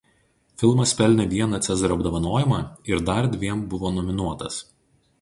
Filmas pelnė vieną Cezario apdovanojimą ir dar dviem buvo nominuotas.